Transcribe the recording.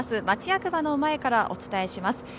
町役場の前からお伝えします。